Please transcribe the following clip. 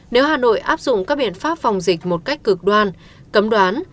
nếu hà nội áp dụng các biện pháp phòng dịch một cách cực đoan cấm đoán